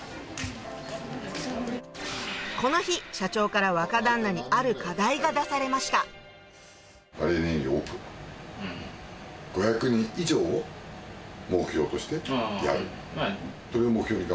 この日社長から若旦那にある課題が出されましたそれを目標に。